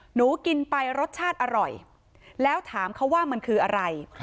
หนูกินไปรสชาติอร่อยแล้วถามเขาว่ามันคืออะไร